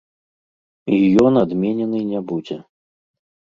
І ён адменены не будзе.